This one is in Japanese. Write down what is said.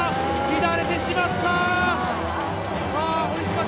乱れてしまった。